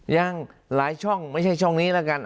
ยังหลายช่องไม่ใช่ช่องนี้แล้วกัน